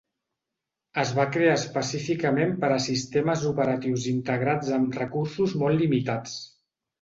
Es va crear específicament per a sistemes operatius integrats amb recursos molt limitats.